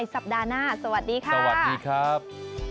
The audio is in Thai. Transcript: สวัสดีค่ะสวัสดีครับ